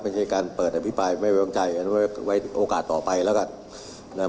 ไม่ใช่การเปิดอภิปัยไม่ไว้บังใจเอาไว้โอกาสต่อไปแล้วกัน